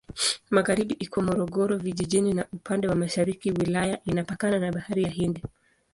Magharibi iko Morogoro Vijijini na upande wa mashariki wilaya inapakana na Bahari ya Hindi.